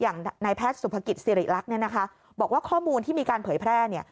อย่างนายแพทย์สุขภกิจสิริรักษ์บอกว่าข้อมูลที่มีการเผยแพร่